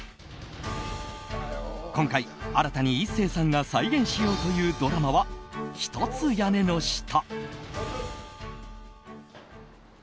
今回、新たに壱成さんが再現しようというドラマは「ひとつ屋根の下」。